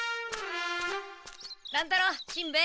乱太郎しんべヱ。